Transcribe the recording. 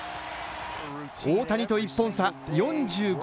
大谷と１本差４５